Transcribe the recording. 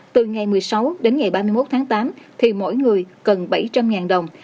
từ ngày một mươi sáu đến ngày ba mươi một tháng tám thì mỗi người cần bảy trăm linh đồng